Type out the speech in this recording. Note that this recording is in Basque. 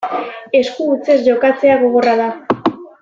Esku hutsez jokatzea gogorra da.